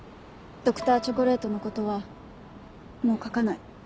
Ｄｒ．チョコレートのことはもう書かない。